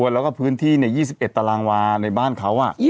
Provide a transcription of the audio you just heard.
แล้วก็พื้นที่๒๑ตารางวาในบ้านเขา